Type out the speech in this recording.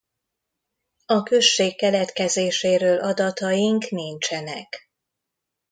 A község keletkezéséről adataink nincsenek.